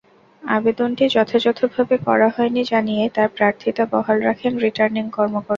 আবেদনটি যথাযথভাবে করা হয়নি জানিয়ে তাঁর প্রার্থিতা বহাল রাখেন রিটার্নিং কর্মকর্তা।